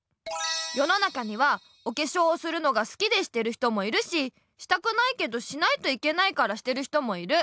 世の中にはおけしょうをするのがすきでしてる人もいるししたくないけどしないといけないからしてる人もいる。